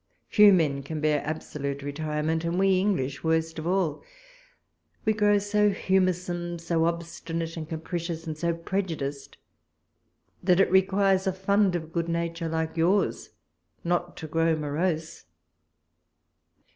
Few men can bear absolute retirement, and we English worst of all. We grow so humorsome, so obstinate and capricious, and so prejudiced, that it requires a fimd of good nature like yours not to grow morose.